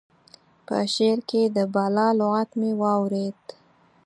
په شعر کې د بالا لغت مې واورېد.